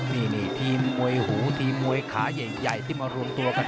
นี่ทีมมวยหูทีมมวยขาใหญ่ที่มารวมตัวกัน